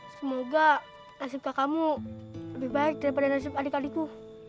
semoga nasib kakakmu lebih baik daripada nasib adik adikku